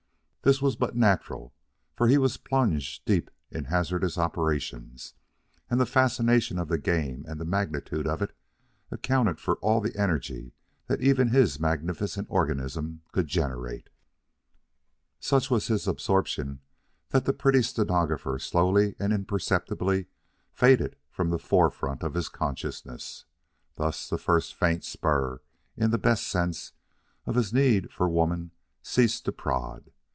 This was but natural, for he was plunged deep in hazardous operations, and the fascinations of the game and the magnitude of it accounted for all the energy that even his magnificent organism could generate. Such was his absorption that the pretty stenographer slowly and imperceptibly faded from the forefront of his consciousness. Thus, the first faint spur, in the best sense, of his need for woman ceased to prod.